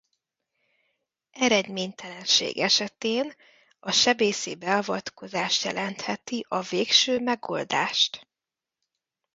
Eredménytelenség estén a sebészi beavatkozás jelentheti a végső megoldást.